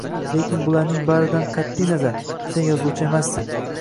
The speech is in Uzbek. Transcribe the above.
Lekin bularning baridan qatʼi nazar, sen yozuvchi emassan…